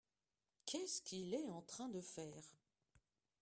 Qu'est-ce qu'il est en train de faire ?